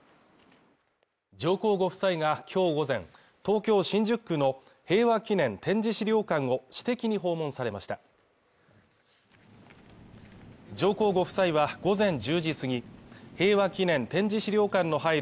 上皇ご夫妻がきょう午前東京新宿区の平和祈念展示資料館を私的に訪問されました上皇ご夫妻は午前１０時過ぎ平和祈念展示資料館の入る